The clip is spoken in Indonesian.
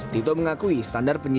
tito mengakui standar penyelidikan